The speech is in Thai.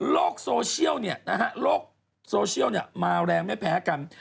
โลกโซเชียลเนี่ยนะฮะโลกโซเชียลเนี่ยมาแรงไม่แพ้กัน